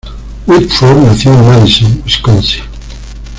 Whitford nació en Madison, Wisconsin.